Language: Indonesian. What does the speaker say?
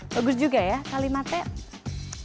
bagus juga ya kalimatnya